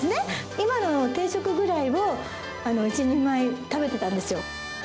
今の定食ぐらいを１人前食べてたんですよ。